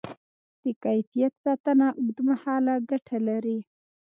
د کیفیت ساتنه اوږدمهاله ګټه لري.